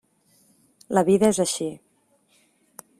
La vida és així.